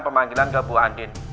pemanggilan ke bu andin